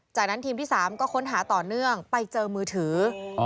จากนั้นทีมที่๓ก็ค้นหาต่อเนื่องไปเจอมือถือ